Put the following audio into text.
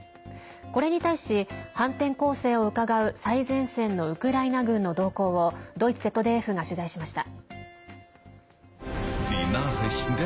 これに対し、反転攻勢をうかがう最前線のウクライナ軍の動向をドイツＺＤＦが取材しました。